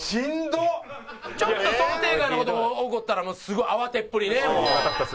ちょっと想定外の事が起こったらすごい慌てっぷりねもう。